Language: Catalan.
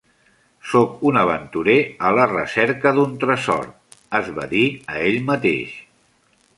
"Sóc un aventurer a la recerca d'un tresor", es va dir a ell mateix.